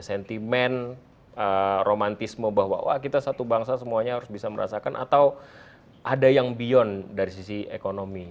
sentimen romantisme bahwa kita satu bangsa semuanya harus bisa merasakan atau ada yang beyond dari sisi ekonomi